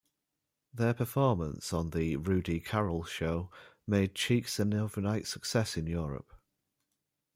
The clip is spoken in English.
Their performance on "The Rudi Carrell Show" made Cheeks an overnight success in Europe.